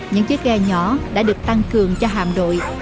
những chiếc ghe nhỏ đã được tăng cường cho hạm đội